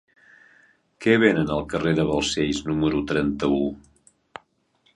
Què venen al carrer de Balcells número trenta-u?